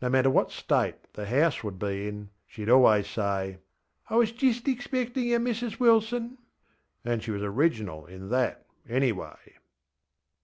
No matter what state the house would be in sheŌĆÖd always say, ŌĆśI was jist expectinŌĆÖ yer, Mrs Wilson.ŌĆÖ And she was original in that, anyway.